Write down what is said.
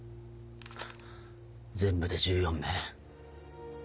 全部で１４名。